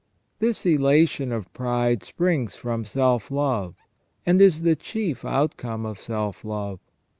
* This elation of pride springs from self love, and is the chief outcome of self love.